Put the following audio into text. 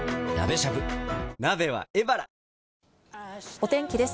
お天気です。